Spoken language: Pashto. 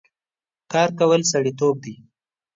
کار کول سړيتوب دی